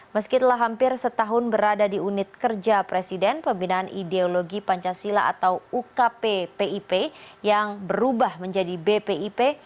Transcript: meskipun hampir setahun berada di unit kerja presiden pembinaan ideologi pancasila atau ukp pip yang berubah menjadi bpip